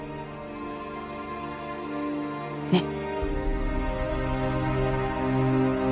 ねっ？